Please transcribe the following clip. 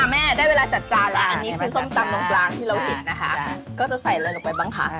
แม่ได้เวลาจัดจานแล้วอันนี้คือส้มตำตรงกลางที่เราเห็นนะคะก็จะใส่อะไรลงไปบ้างคะ